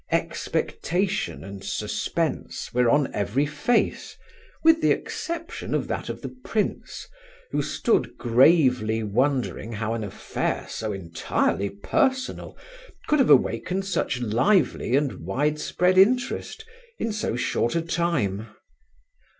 Expectation and suspense were on every face, with the exception of that of the prince, who stood gravely wondering how an affair so entirely personal could have awakened such lively and widespread interest in so short a time.